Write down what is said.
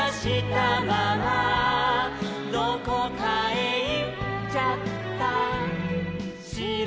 「どこかへいっちゃったしろ」